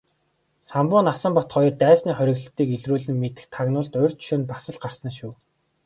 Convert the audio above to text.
Самбуу Насанбат хоёр дайсны хориглолтыг илрүүлэн мэдэх тагнуулд урьд шөнө бас л гарсан шүү.